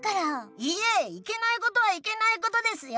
いえいけないことはいけないことですよ！